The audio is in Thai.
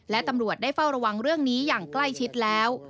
และตำรวจได้เฝ้าระวังเรื่องนี้อย่างใกล้ชิดแล้ว